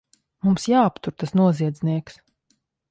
Mums jāaptur tas noziedznieks!